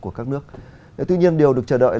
của các nước tuy nhiên điều được chờ đợi